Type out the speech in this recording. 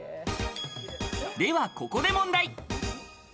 では、ここで問題。